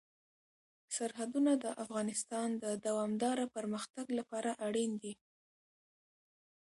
سرحدونه د افغانستان د دوامداره پرمختګ لپاره اړین دي.